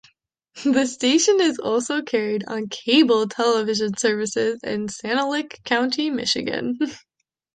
The station is also carried on cable television services in Sanilac County, Michigan.